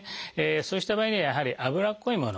そうした場合にはやはりあぶらっこいもの。